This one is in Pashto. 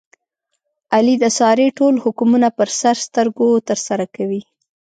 علي د سارې ټول حکمونه په سر سترګو ترسره کوي.